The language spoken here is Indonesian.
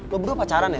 lo berdua pacaran ya